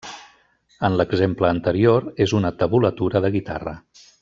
En l'exemple anterior és una tabulatura de guitarra.